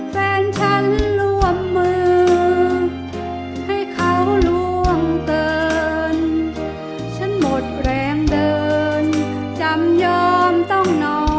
แฟนฉันร่วมมือให้เขาล่วงเกินฉันหมดแรงเดินจำยอมต้องนอน